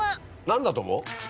何だと思う？